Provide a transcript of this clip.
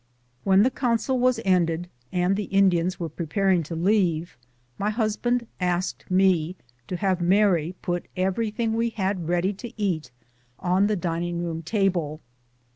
When the council was ended and the Indians were preparing to leave, my husband asked me to have Mary put everything we had ready to eat on the dining room table.